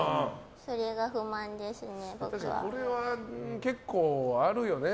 それは結構あるよね。